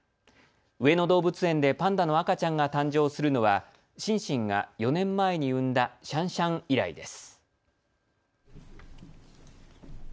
上野動物園でパンダの赤ちゃんが誕生するのはシンシンが４年前に産んだシャンシャン以来です。